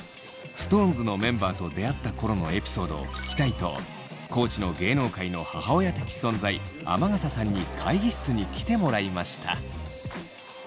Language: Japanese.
ＳｉｘＴＯＮＥＳのメンバーと出会った頃のエピソードを聞きたいと地の芸能界の母親的存在天笠さんに会議室に来てもらいました。